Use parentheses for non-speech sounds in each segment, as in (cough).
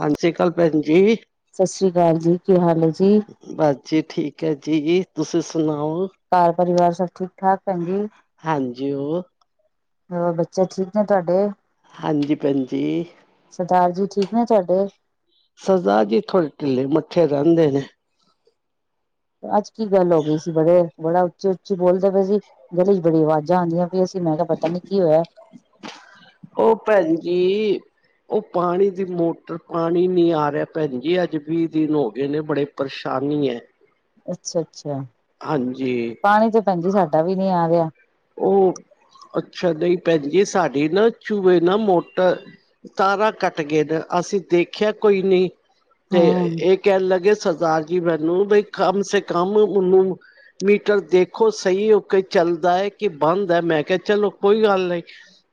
ਸਤ ਸ੍ਰੀ ਅਕਾਲ, ਭੈਣ ਜੀ। ਸਤਿ ਸ੍ਰੀ ਅਕਾਲ ਜੀ। ਕੀ ਹਾਲ ਹੈ ਜੀ? ਬੱਸ ਜੀ, ਠੀਕ ਹੈ ਜੀ। ਤੁਸੀਂ ਸੁਣਾਓ? ਘਰ- ਪਰਿਵਾਰ, ਸਭ ਠੀਕ- ਠਾਕ, ਭੈਣਜੀ। ਹਾਂਜੀ। ਉਹ। ਹੋਰ, ਬੱਚੇ ਠੀਕ ਨੇ, ਤੁਹਾਡੇ? ਹਾਂਜੀ। ਭੈਣ ਜੀ। ਸਰਦਾਰ ਜੀ। ਠੀਕ ਨੇ, ਤੁਹਾਡੇ? ਸਰਦਾਰ ਜੀ, ਥੋੜੇ ਢਿਲੇ- ਮੱਠੇ ਰਹਿੰਦੇ ਨੇ। ਤੇ ਅੱਜ ਕੀ, ਗੱਲ ਹੋ ਗਈ ਸੀ। ਬੜੇ। ਬੜਾ ਉੱਚੀ- ਉੱਚੀ, ਬੋਲਦੇ ਪਏ ਸੀ। ਗਲੀ ਵਿਚ, ਬੜੀ ਆਵਾਜ਼ਾਂ ਆਉਂਦੀਆਂ ਪਈਆਂ ਸੀਂ। ਮੈਂ ਕਿਹਾ, ਪਤਾ ਨਹੀਂ ਕੀ ਹੋਇਆ? (unintelligible) ਉਹ, ਭੈਣਜੀ ਜੀ। ਉਹ ਪਾਣੀ ਦੀ ਮੋਟਰ। ਪਾਣੀ ਨੀ ਆ ਰਿਹਾ। ਭੈਣ ਜੀ, ਅੱਜ ਵੀਹ, ਦਿਨ ਹੋ ਗਏ ਨੇ। ਬੜੇ। ਪਰੇਸ਼ਾਨੀ, ਹੈ। ਅੱਛਾ- ਅੱਛਾ। ਹਾਂਜੀ। ਪਾਣੀ ਤੇ, ਭੈਣਜੀ, ਸਾਡਾ ਵੀ, ਨਹੀਂ ਆ ਰਿਹਾ। ਉਹ। ਅੱਛਾ। ਨਹੀਂ ਭੈਣਜੀ, ਸਾਡੀ ਨਾ, ਚੂਹੇ ਨਾ ਮੋਟਰ। ਤਾਰਾਂ ਕੱਟ ਗਏ ਨੇ। ਅਸੀਂ ਦੇਖਿਆ, ਕੋਈ ਨਹੀਂ। ਤੇ, ਹਮ ਇਹ। ਕਹਿਣ ਲੱਗੇ, ਸਰਦਾਰ ਜੀ ਮੈਨੂੰ, ਬਈ ਕਮ ਸੇ ਕਮ ਉਹਨੂੰ। ਮੀਟਰ ਦੇਖੋ ਸਹੀ, ਹੋ ਕੇ ਚੱਲਦਾ ਹੈ। ਕਿ ਬੰਦ ਹੈ, ਮੈਂ ਕਿਹਾ ਚਲੋ, ਕੋਈ ਗੱਲ ਨਹੀਂ।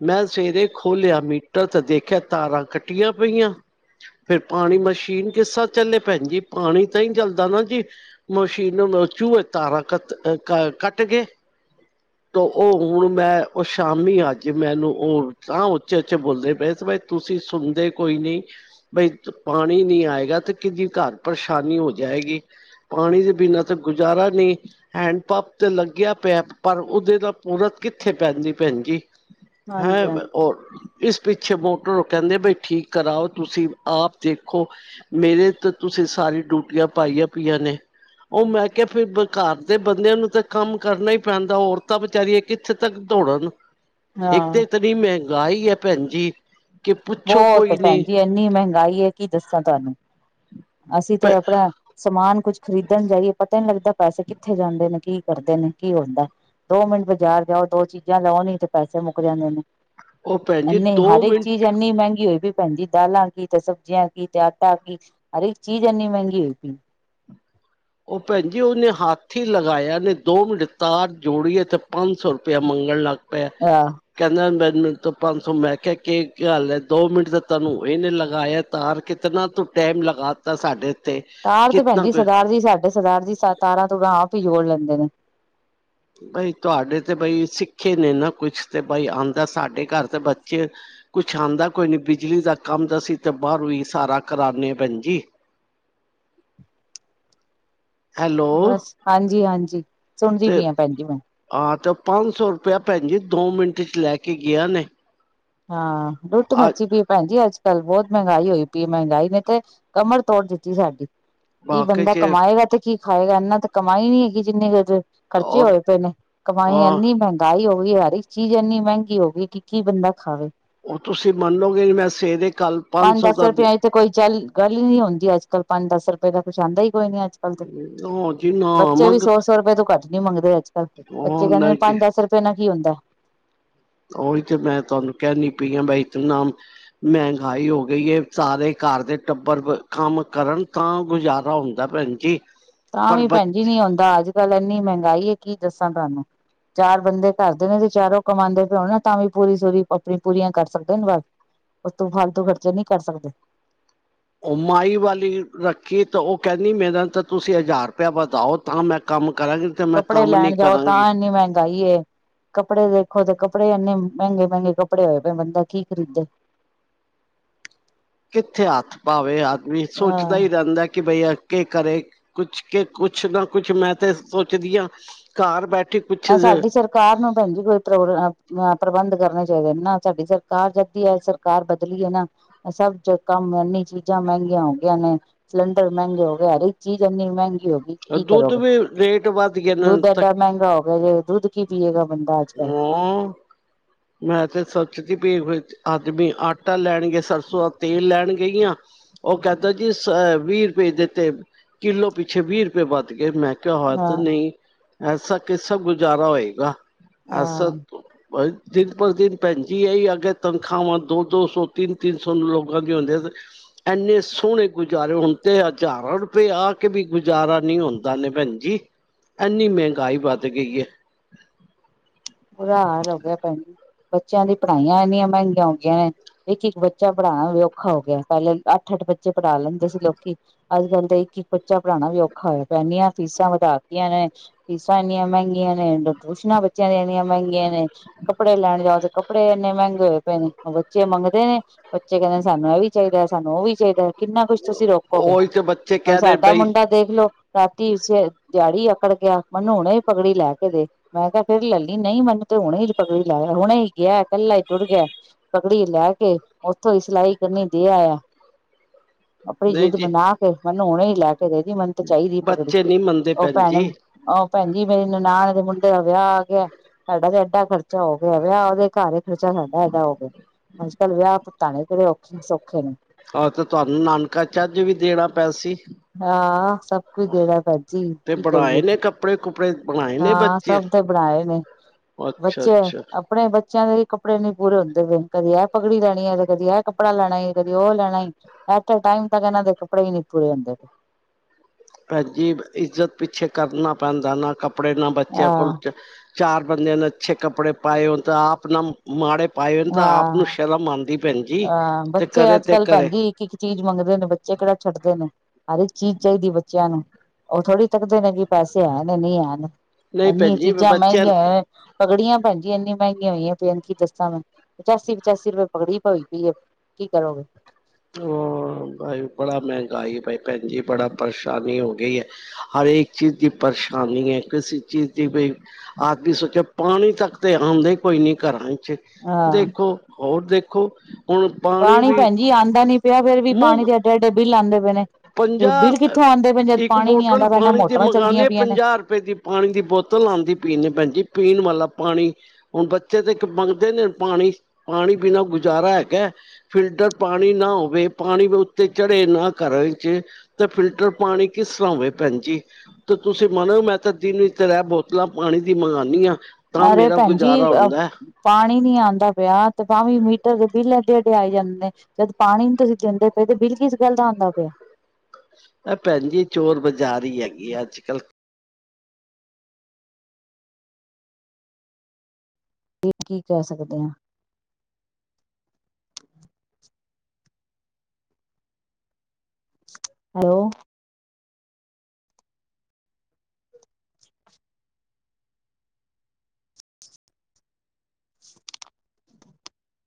ਮੈਂ ਸਵੇਰੇ ਖੋਲਿਆ ਮੀਟਰ ਤੇ ਦੇਖਿਆ ਤਾਰਾਂ ਕੱਟੀਆਂ ਪਈਆਂ ਫੇਰ ਪਾਣੀ ਮਸ਼ੀਨ ਕਿਸ ਤਰ ਚੱਲੇ ਭੈਣ ਜੀ ਪਾਣੀ ਤਾਂ ਹੀ ਚੱਲਦਾ ਨਾ ਜੀ ਮਸ਼ੀਨ ਚੂਹੇ ਤਾਰਾਂ ਕੱ ਕੱਟ ਗਏ ਤ ਉਹ ਹੁਣ ਮੈਂ ਉਹ ਸ਼ਾਮੀ ਅੱਜ ਮੈਨੂੰ ਉਹ ਤਾਂ ਉੱਚੇ ਉੱਚੇ ਬੋਲਦੇ ਪਏ ਤੁਸੀਂ ਸੁਣਦੇ ਕੋਈ ਨਹੀਂ ਬਈ ਪਾਣੀ ਨਹੀਂੀ ਆਏਗਾ ਤੇ ਕਿਦੀ ਘਰ ਪਰੇਸ਼ਾਨੀ ਹੋ ਜਾਏਗੀ ਪਾਣੀ ਦੇ ਬਿਨਾਂ ਤਾਂ, ਗੁਜ਼ਾਰਾ ਨਹੀਂ। ਹੈਂਡ ਪੰਪ ਤੇ, ਲੱਗਿਆ ਪਿਆ, ਪਰ। ਉਹਦੇ ਤਾਂ, ਪੂਰਤ ਕਿੱਥੇ, ਪੈਂਦੀ। ਭੈਣ ਜੀ, ਹੈਂ, ਹਾਂਜੀ ਰ। ਹਾਂਜੀ ਇਸ ਪਿੱਛੇ, ਮੋਟਰ ਕਹਿੰਦੇ ਪਏ, ਠੀਕ ਕਰਾਓ। ਤੁਸੀਂ ਆਪ ਦੇਖੋ। ਮੇਰੇ ਤਾਂ, ਤੁਸੀਂ ਸਾਰੀ ਡਊਟੀਆਂ ਪਾਈਆਂ- ਪਈਆਂ ਨੇ। ਉਹ, ਮੈਂ ਕਿਹਾ। ਫੇਰ ਘਰ ਦੇ ਬੰਦਿਆਂ ਨੂੰ, ਤਾਂ ਕੰਮ ਕਰਨਾ ਹੀ, ਪੈਂਦਾ। ਔਰ। ਤਾਂ ਵਿਚਾਰੀਏ, ਕਿੱਥੇ ਤੱਕ ਦੌੜਨ। ਇੱਕ ਤਾਂ ਹਾਂ ਇਤਨੀ ਮਹਿੰਗਾਈ ਹੈ। ਭੈਣਜੀ। ਕੀ ਪੁੱਛੋ, ਕੋਈ ਨਹੀਂ। ਕਿੰਨੀ ਮਹਿੰਗਾਈ ਹੈ। ਕੀ ਦੱਸਾਂ, ਤੁਹਾਨੂੰ, ਅਸੀਂ ਤੇ ਆਪਣਾ। ਸਮਾਨ ਕੁੱਝ ਖਰੀਦਣ ਜਾਈਏ। ਪਤਾ ਨਹੀਂ ਲੱਗਦਾ, ਪੈਸੇ ਕਿੱਥੇ ਜਾਂਦੇ ਨੇ, ਕੀ ਕਰਦੇ ਨੇ, ਕੀ ਹੁੰਦਾ। ਦੋ ਮਿੰਟ ਬਾਜ਼ਾਰ ਜਾਓ। ਦੋ ਚੀਜ਼ਾਂ ਲਾਆਓ ਨੀ ਤੇ ਪੈਸੇ, ਮੁੱਕ ਜਾਂਦੇ ਨੇ। ਉਹ ਭੈਣ ਜੀ ਐਨੀ ਦੋ ਹਰ ਇੱਕ ਚੀਜ਼। ਮਿੰਟ ਇੰਨੀ ਮਹਿੰਗੀ ਹੋਈ ਪਈ। ਵੀ ਪੈਂਦੀ, ਦਾਲਾਂ ਕੀ, ਤੇ ਸਬਜ਼ੀਆਂ ਕੀ, ਤੇ ਆਟਾ ਕੀ। ਹਰੇ ਇੱਕ ਚੀਜ਼, ਇੰਨੀ ਮਹਿੰਗੀ ਹੋਈ ਪਈ। ਉਹ ਭੈਣ ਜ ਉਹਨੇ ਹਾਥੀ ਲਗਾਇਆ ਨੇ ਦੋ ਮਡ ਤਾਰ ਜੋੜੀਏ ਤੇ ਪੰਜ ਸੌ ਰੁਪਇਆ ਮੰਗਣ ਲੱਗ ਹੋ ਆਹ ਕਹਿੰਦਾ ਮੈਡਮਿੰਟ ਤੋਂ ਪੰਜ ਸੌ ਮੈਂ ਕਿਹਾਿਆ ਕੀ ਗੱਲ ਹੈ ਦੋ ਮਿੰਟ ਤਾਂ ਤੁਹਾਨੂੰ ਇਹਨੇ ਲਗਾਇਆ ਤਾਰ ਕਿਤਨਾ ਤੂੰ ਟੈਮ ਲਗਾ ਦਿੱ ਤਾ ਸਾਡੇ ਤੇ ਤਾਰ ਤੇ ਕਿਤਨਾ ਭੈਣਜੀ ਕੁ ਸਰਦਾਰ ਜੀ ਸਾਡੇ ਸਰਦਾਰ ਜੀ ਤਾਰਾਂ ਤਾਰਾਂ ਆਪ ਹੀ ਜੋੜ ਲੈਂਦੇ ਨੇ ਬਈ ਤੁਹਾਡੇ ਤੇ ਬਈ ਸਿੱਖੇ ਨੇ ਨਾ ਕੁਛ ਤੇ ਬਈ ਆਉਂਦਾ ਸਾਡੇ ਘਰ ਤਾਂ ਬੱਚੇ ਕੁਛ ਆਉਂਦਾ ਕੋਈ ਨਹੀਂ ਬਿਜਲੀ ਦਾ ਕੰਮ ਦਸੀਂ ਤਾਂ ਬਾਹਰੋਂ ਹੀ ਸਾਰਾ ਕਰਾਉਂਦੇ ਹਾਂ ਭੈਣ ਜਜੀ ਹੈਲੋ ਬਸ ਹਾਂਜੀ ਹਾਂਜੀ ਸੁਣਦੀ ਤੇ ਪਈ ਹ ਭੈਣ ਜ ਮੈਂ ਹਾਂ ਤੇ ਉਹ ਪੰਜ ਸੌ ਰੁਪਇਆ ਭੈਣ ਜੀ ਦੋ ਮਿੰਟ ਚ ਲੈ ਕੇ ਗਿਆ ਨੇ ਹਾਂ ਲੁੱਟ ਅ ਮੱਛੀ ਵੀ ਭੈਣ ਜ ਅੱਜ ਕੱਲ੍ਹ ਬਹੁਤ ਮਹਿੰਗਾਈ ਹੋਈ ਪਈ ਮਹਿੰਗਾਈ ਨੇ ਤੇ ਕਮਰ ਤੋੜ ਦਿੱਤੀ ਸਾਡੀ ਕੀ ਵਾਕੇ ਬੰਦਾ ਚ ਕਮਾਏਗਾ ਤੇ ਕੀ ਖਾਏਗਾ ਇਹਨਾਂ ਤਾਂ ਕਮਾਈ ਨੀ ਹੈਗੀ ਜਿੰਨੀ ਕੁਜ਼ ਖਰਚੇ ਔਰ ਹੋਏ ਪਏ ਨੇ ਕਮਾਈ ਹਾਂ ਇੰਨੀ ਮਹਿੰਗੀ ਾਈ ਹੋ ਗਈ ਹਰ ਇੱਕ ਚੀਜ਼ ਇੰਨੀ ਮਹਿੰਗੀ ਹੋ ਗਈ ਕਿ ਕੀ ਬੰਦਾ ਖਾਵੇ ਉਹ ਤੁਸੀਂ ਮੰਨਲੋਗੇ ਮੈਂ ਸਵੇਰੇ ਕੱਲ ਪੰਜ ਸੌ ਦਸ ਦਾ ਰੁਪਏ ਤੇ ਕੋਈ ਚੱਲ ਗੱਲ ਹੀ ਨ ਨਹੀਂ ਹੁੰਦੀ ਅੱਜ ਕੱਲ ਪੰਜ ਦਸ ਰੁਪਏ ਦਾ ਕੁੱਛ ਆਉਦਾ ਹੀ ਕੋਈ ਨੀ ਅੱ ਉਹ ਜੀ ਨਾ ਬੱਚੇ ਵੀ ਮੰਗ ਸੌ ਸੌ ਰੁਪਏ ਤੋਂ ਘੱਟ ਨੀ ਮੰਗਦੇ ਅੱਜ ਕੱਲ ਬੱਚੇ ਉਹ ਕਹਿੰਦੇ ਨੇ ਨਹੀਂ ਜੀ ਪੰਜ ਦਸ ਰੁਪਏ ਪਨਾ ਕੀ ਹੁੰਦਾ ਉਹੀ ਤੇ ਮੈਂ ਤੁਹਾਨੂੰ ਕਹਿਣੀ ਪਈ ਆ ਬ ਤੂੰ ਨਾਮ ਮਹਿੰਗਾਈ ਹੋ ਗਈ ਹੈ ਸਾਰੇ ਘਰ ਦੇ ਟੱਬਰ ਕੰਮ ਕਰਨ ਤਾਂ ਗੁਜ਼ਾਰਾ ਹੁੰਦਾ ਭੈਣ ਜੀ ਤਾਂ ਪਰ ਵੀ ਬ ਭੈਣਜੀ ਨੀ ਆਉਂਦਾ ਅੱਜ ਕੱਲ ਇੰਨੀ ਮਹਿੰਗਾਈ ਹੈ ਕੀ ਦੱਸਾਂ ਤੁਹਾਨੂੰ ਚਾਰ ਬੰਦੇ ਘਰਦੇ ਨੇ ਤੇ ਚਾਰੋਂ ਕਮਾਉਂਦੇ ਪਿਣਾ ਤਾਂ ਵੀ ਪੂਰੀ ਸੂਰੀ ਆਪਣੀ ਪੂਰੀਆਂ ਕਰ ਸਕਦੇ ਨੇ ਬਸ ਉਸ ਤੂੰ ਫਾਲਤੂ ਖਰਚੇ ਨਹੀਂ ਕਰ ਸਕਦੇ ਓਮਾਈ ਵਾਲੀ ਰੱਖੀ ਤਾਂ ਉਹ ਕਹਿੰਦੀ ਮੇਰਾ ਤਾਂ ਤੁਸੀਂ ਹਜ਼ਾਰ ਰੁਪਇਆ ਵਧਾਓ ਤਾਂ ਮੈਂ ਕੰਮ ਕਰਾਂਗੀ ਤੇ ਮੈਂ ਕੱਪੜੇ ਕੰਮ ਨੀ ਲੈਣ ਜਾਓ ਕਰਾਂਗੀ ਤਾਂ ਇੰਨੀ ਮਹਿੰਗਾਈ ਕੱਪੜੇ ਦੇਖੋ ਤੇ ਕੱਪੜੇ ਇੰਨੇ ਮਹਿੰਗੇ ਮਹਿੰਗੇ ਕੱਪੜੇ ਹੋਏ ਬੰਦਾ ਕੀ ਖਰੀਦੇ ਕਿੱਥੇ ਹੱਥ ਪਾਵੇ ਆਦਮੀ ਸੋਚਦਾ ਹੀ ਹਾਂ ਰਹਿੰਦਾ ਕਿ ਬਈ ਕੇ ਕਰੇ ਕੁਛ ਕੇ ਕੁਛ ਨਾ ਕੁਛ ਮੈਂ ਤੇ ਸੋਚਦੀ ਹਾਂ ਘਰ ਬੈਠੇ ਕੁਛ ਇਹ ਸਾਡੀ ਤਰਫ ਸਰਕਾਰ ਨੂੰ ਭੈਣ ਜੀ ਕੋਈ ਪ੍ਰਬੰਧ ਕਰਨੇ ਚਾਹੀਦੇ ਨਾ ਸਾਡੀ ਸਰਕਾਰ ਜਦਦੀ ਆ ਸਰਕਾਰ ਬਦਲੀਏ ਨਾ ਸਭ ਕੰਮ ਇਨੀ ਚੀਜ਼ਾਂ ਮਹਿੰਗੀਆਂ ਹੋ ਗਈਆਂ ਨੇ ਸਲੰਡਰ ਮਹਿੰਗੇ ਹੋ ਗਏ, ਹਰੇਕ ਚੀਜ਼ ਇੰਨੀ ਮਹਿੰਗੀ ਹੋ ਗਈ। ਕੀ ਦੁੱਧ ਕਰੋਗੇ? ਵੀ ਰੇਟ ਵੱਧ ਗਏ ਨੇ ਦੁੱਧ ਐਡਾ ਤੱਕ ਮਹਿੰਗਾ ਹੋ ਗਿਆ ਜੇ, ਦੁੱਧ ਕੀ ਪੀਏਗਾ ਬੰਦਾ ਅੱਜ-ਕਲ। ਹੂੰ, ਮੈਂ ਤੇ, ਸੱਚਦੀ ਪਈ ਆਜ ਮੇਂ ਆਟਾ ਲੈਣਗੇ, ਸਰਸੋਂ ਦਾ ਤੇਲ ਲੈਣ ਗਈਆਂ ਉਹ ਕਹਿਤਾ ਜੀ, ਸ ਅ ਵੀਹ ਰੁਪਏ ਦਿੱਤੇ, ਕਿੱਲੋ ਪਿੱਛੇ ਵੀਹ ਰੁਪਏ ਵੱਧ ਗਏ ਮੈਂ ਕਿਹਾ ਹਦ ਨਹੀਂ ਐਸਾ ਕਿਸਾ ਗੁਜ਼ਾਰਾ ਹੋਏਗਾ ਹਾਂ-ਹਾਂ। ਅਸਤ ਦਿਨ ਪਰ ਦਿਨ ਪੰਜੀਆਂ ਹੀ ਅੱਗੇ ਤਨਖਾਹਵਾਂ ਦੋ- ਦੋ ਸੌ ਤਿੰਨ- ਤਿੰਨ ਸੌ ਲੋਗਾ ਦੀਆਂ ਹੁੰਦੀਆਂ ਸਨ ਇੰਨੇ ਸੋਹਣੇ ਗੁਜ਼ਾਰੇ ਹੁਣ ਤੇ ਹਜ਼ਾਰਾਂ ਰੁਪਏ ਆ ਕੇ ਵੀ ਗੁਜ਼ਾਰਾ ਨ ਹੁੰਦਾ ਨੇ ਭੈਣ ਜਜੀ ਐੰਨੀ ਮਹਿੰਗਾਈ ਵੱਧ ਗਈ ਹੈ ਬੁਰਾ ਹਾਲ ਹੋ ਗਿਆ ਭੈਣ ਬੱਚਿਆਂ ਦੀ ਪੜ੍ਹਾਈਆਂ ਇੰਨੀਆਂ ਮਹਿੰਗੀਆਂਆਂ ਨੇ ਇੱਕ ਇੱਕ ਬੱਚਾ ਪੜ੍ਹਾਉਣਾ ਵੀ ਔਖਾ ਹੋ ਗਿਆ ਪਹਿਲੇ ਅੱਠ ਅੱਠ ਬੱਚੇ ਪੜ੍ਹਾ ਲੈਂਦੇ ਸੀ ਲੋਕੀ ਅੱਜ ਕੱਲ੍ਹ ਦਾ ਇੱਕ ਇੱਕ ਬੱਚਾ ਪੜ੍ਹਾਣਾ ਵੀ ਔਖਾ ਹੋਇਆ ਪੈਦੀੀਆਂ ਫੀਸਾਂ ਵਧਾ ਕੇਆਂ ਨੇ ਫੀਸਾਂ ਇੰਨੀਆਂ ਮਹਿੰਗੀਆਂ ਨੇ ਟਿਊਸ਼ਨਾਂ ਬੱਚਿਆਂਣੀਆਂ ਮਹਿੰਗੇੀਆਂ ਨੇ ਕੱਪੜੇ ਲੈਣ ਜਾਓ ਤੇ ਕੱਪੜੇ ਇੰਨੇ ਮਹਿੰਗੇ ਹੋਏ ਪਏ ਨੇ ਬੱਚੇ ਮੰਗਦੇ ਨੇ ਬੱਚੇ ਕਹਿੰਦੇ ਨੇ ਸਾਨੂੰ ਇਹ ਵੀ ਚਾਹੀਦਾ ਸਾਨੂੰ ਉਹ ਵੀ ਚਾਹੀਦਾ ਹੈ ਕਿੰਨਾ ਕੁਛ ਤੁਸੀ ਰੋਕੋਗੇ, ਉਹੀ ਤੇ ਬੱਚੇ ਹੁਣ ਕਹਿ ਰਹੇ ਸਾਡਾ ਬਈ ਮੁੰਡਾ ਦੇਖਲੋ ਰਾਤੀੇ ਦਿਹਾੜੀ ਅਕੜ ਗਿਆ, ਮਨੂੰ ਹੁਣੇ ਹੀ ਪਗੜੀ ਲੈਕੇ ਦੇ, ਮੈਂ ਕਿਹਾ ਫਿਰ ਲੈਲੀ। ਨਹੀਂ ਮੰਨੂੰ ਤੇ ਹੁਣੇ ਪਗੜੀ ਲੈਯਾ, ਹੁਣੇ ਹੀ ਗਿਆ, ਕੱਲਾ ਈ ਟੁਰ ਗਿਆ। ਪਗੜੀ ਲੈਕੇ, ਉੱਥੋਂ ਹੀ ਸਿਲਾਈ ਕਰਨੀ ਦੇ ਆਇਆ। ਆਪਣੀ ਨਹੀਂ ਜਿੱਦ ਜੀ ਮਨਾ ਕੇ, ਮਨੂੰ ਹੁਣੇ ਹੀ ਲੈਕੇ ਦੇਦੀ, ਮਨ ਤੇ ਚਾਹੀਦੀ ਪਗਡੀ, ਬੱਚੇ ਨੀ ਮੰਨਦੇ ਉਹ ਭੈਣ ਭੈਣੇ ਜੀ ਆਹੋ ਭੈਣ ਜੀ, ਮੇਰੀ ਨਨਾਣ ਦੇ ਮੁੰਡੇ ਦਾ ਵਿਆਹ ਆਗਿਆ। ਸਾਡਾ ਤੇ ਐਡਾ ਖਰਚਾ ਹੋ ਗਿਆ, ਵਿਆਹ ਉਹਦੇ ਘਰ ਏ, ਖਰਚਾ ਸਾਡਾ ਐਡਾ ਹੋ ਗਿਆ। ਅੱਜ-ਕੱਲ ਵਿਆਹ ਭੁਗਤਾਣੇ ਕਿਹੜੇ ਔਖੇ, ਸੌਖੇ ਨੇ। ਆਹੋ ਤੇ ਤੁਹਾਨੂੰ, ਨਾਨਕਾ ਚੱਜ ਵੀ ਦੇਣਾ ਪੈਸੀ। ਹਾ, ਸਭ ਕੁਛ ਦੇਣਾ ਭੈਜੀ ਤੇ ਕੀ ਬਣਾਏ ਕਰੀਏ। ਨੇ ਕੱਪੜੇ ਕੁਪੜੇ ਬਣਾਏ ਨੇ ਹਾਂ ਬੱਚੇ ਸਭ ਤੇ ਬਣਾਏ ਨੇ। ਅੱਛਾ। ਅੱਛਾ ਅਪਣੇ ਬੱਚਿਆਂ ਦੇ ਵੀ ਕੱਪੜੇ ਨੀ ਪੂਰੇ ਹੁੰਦੇ ਗੇ, ਕਦੇ ਐ ਪਗੜੀ ਲੈਣੀ ਹੈ, ਤੇ ਕਦੀ ਇਹ ਕੱਪੜਾ ਲੈਣਾ, ਕਦੀ ਉਹ ਲੈਣਾ ਏ। ਐਟੇ ਟਾਈਮ ਤੱਕ ਇਹਨਾਂ ਦੇ ਕੱਪੜੇ ਹੀ ਨਈ ਪੂਰੇ ਹੁੰਦੇ। ਪਏ ਭੈਣਜੀ, ਇੱਜ਼ਤ ਪਿੱਛੇ ਕਰਨਾ ਪੈਂਦਾ ਨਾ, ਕੱਪੜੇ ਨਾ ਬੱਚਿਆਂ ਕੋਲ ਆਹ ਚਾਰ ਬੰਦਿਆਂ ਨੇ ਅੱਛੇ ਕੱਪੜੇ ਪਾਏ ਹੋਣ ਤਾਂ, ਆਪ ਨਾ ਮਾੜੇ ਪਾਏ ਨ, ਤਾਂ ਆਪ ਨੂੰ ਸ਼ਰਮ ਆਂਦੀ। ਅਆਂ ਬੱਚੇ, ਅੱਜ-ਕੱਲ ਭੈਣਜੀ ਇੱਕ ਕੀ ਚੀਜ਼ ਮੰਗਦੇ ਨੇ ਬੱਚੇ ਕਿਹੜਾ ਛੱਡਦੇ ਨੇ, ਹਰ ਇੱਕ ਚੀਜ਼ ਚਾਹੀਦੀ ਹੈ ਬੱਚਿਆਂ ਨੂੰ। ਉਹ ਥੋੜ੍ਹੀ ਤੱਕਦੇ ਨੇ ਕਿ, ਪੈਸੇ ਹੈਨੇ, ਨਹੀਂ ਹੈਨ ਨਹੀਂ ਐਨੀ ਭੈਣ ਜੀ ਚੀਜ਼ਾਂ ਬੱਚਿਆਂ ਮਹਿੰਗੀਆਂ ਪਗੜੀਆਂ ਭੈਂਜੀ ਇੰਨੀ ਮਹਿਗੀਆ ਹੋਈਆਂ ਪਈਆਂ ਨੇ, ਕਿ ਦੱਸਾਂ ਮੈਂ, ਪਚਾਸੀ-ਪਚਾਸੀ ਰੁਪਏ ਪਗੜੀ ਪਈ। ਵੀ ਏ, ਕੀ ਕਰੋਗੇ? ਹੋ ਬਾਈ ਬੜਾ ਮਹਿੰਗਾਈ ਬਾਈ ਭੈਣ ਜੀ, ਬੜਾ ਪਰੇਸ਼ਾਨੀ ਹੋ ਗਈ ਏ। ਹਰੇਕ ਚੀਜ਼ ਦੀ ਪਰੇਸ਼ਾਨੀ ਏ, ਕਿਸੇ ਚੀਜ਼ ਦੀ ਵੀ ਆਜ ਮੇਂ ਸੋਚਿਆ ਪਾਣੀ ਤੱਕ ਤੇ ਆਉਂਦਾ ਕੋਈ ਨੀ, ਘਰਾਂ 'ਚ ਹਾਂ ਦੇਖੋ, ਹੋਰ ਦੇਖੋ, ਹੁਣ ਪਾਣੀ ਭੈਣਜੀ ਆਂਦਾ ਨੀ ਪਿਆ ਫਿਰ ਵੀ, ਪਾਣੀ ਮੂੰਹ ਦੇ ਐਡੇ-ਐਡੇ ਬਿਲ ਆਂਦੇ ਪਏ ਨੇ। ਤੇ ਬਿੱਲ ਪੰਜਾਹ ਕਿੱਥੋਂ ਆਉਂਦੇ ਪਏ ਨੇ, ਜਦ ਇੱਕ ਪਾਣੀ ਨੀ ਆਂਦਾ ਪਇਆ, ਨਾ ਮੋਟਰਾਂ ਚੱਲਦੀਆਂ ਪਈਆਂ ਨੇ ਹ ਰਪਏ ਦੀ ਪਾਣੀ ਦੀ ਬੋਤਲ ਆਂਦੀ ਪੀ ਭੈਣਜੀ, ਪੀਣ ਵਾਲਾ ਪਾਣੀ। ਹੁਣ ਬੱਚੇ ਤੇ ਇੱਕ ਮੰਗਦੇ ਨੇ, ਪਾਣੀ! ਪਾਣੀ ਬਿਨਾਂ ਗੁਜ਼ਾਰਾ ਹੈਗਾ। ਫਿਲਟਰ ਪਾਣੀ ਨਾ ਹੋਵੇ, ਪਾਣੀ ਵੀ ਉੱਤੇ ਚੜੇ ਨਾ ਘਰਾ'ਚ ਦੇ, ਫਿਲਟਰ ਪਾਣੀ ਕਿਸ ਤਰ੍ਹਾਂ ਹੋਵੇ? ਭੈਣਜੀ! ਤੇ ਤੁਸੀਂ ਮੰਨੋ, ਮੈਂ ਤਾਂ ਦਿਨ ਵਿਚ ਤ੍ਰੈ ਬੋਤਲਾਂ ਪਾਣੀ ਦੀ ਮੰਗਾਨੀ ਆ। ਤਾਂ, ਅਰੇ ਮੇਰਾ ਭੈਣ ਜੀ ਗੁਜ਼ਾਰਾ ਅ ਹੁੰਦਾ। ਪਾਣੀ ਨੀ ਆਂਦਾ ਪਿਆ ਤ, ਤਾਵੀ ਮੀਟਰ ਦੇ ਬਿੱਲ ਐਡੇ -ਐਡੇ ਆਈ ਜਾਂਦੇਨ। ਜਦ ਪਾਣੀ ਨੀ ਤੁਸੀਂ ਦਿੰਦੇ ਪਏ ਤੇ, ਬਿੱਲ ਕਿਸ ਗੱਲ ਦਾ ਆਦਾ ਪਿਆ? ਐ ਭੈਣ ਜੀ, ਚੋਰ ਬਾਜ਼ਾਰੀ ਹੈਗੀ ਆ ਅੱਜ-ਕੱਲ। ਟ ਕੀ, ਕਹਿ ਸਕਦੇ ਆਂ। ਹੈਲੋ।